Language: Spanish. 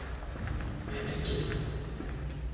¡ mi amito!